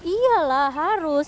iya lah harus